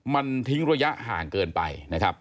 มันทิ้งระยะห่างเกินไป